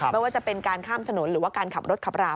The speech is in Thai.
ไม่ว่าจะเป็นการข้ามถนนหรือว่าการขับรถขับราม